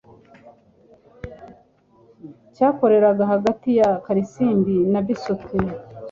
cyakoreraga hagati ya Karisimbi na Bisoke.